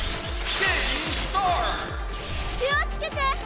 気をつけて！